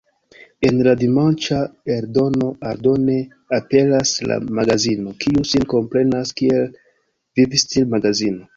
En la dimanĉa eldono aldone aperas la "Magazino", kiu sin komprenas kiel vivstil-magazino.